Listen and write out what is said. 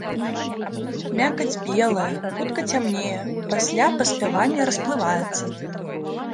Мякаць белая, хутка цямнее, пасля паспявання расплываецца.